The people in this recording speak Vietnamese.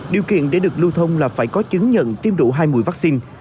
điều kiện để được lưu thông là phải có chứng nhận tiêm đủ hai mùi vaccine